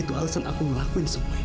itu alasan aku ngelakuin semua ini